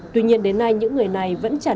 tuy nhiên đến nay những người này vẫn chẳng